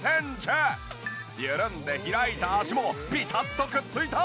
緩んで開いた脚もピタッとくっついた！